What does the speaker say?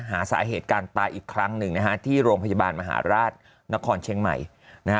หาสาเหตุการตายอีกครั้งหนึ่งนะฮะที่โรงพยาบาลมหาราชนครเชียงใหม่นะฮะ